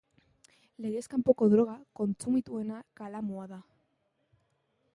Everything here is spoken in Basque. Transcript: Legez kanpoko droga kontsumituena kalamua da.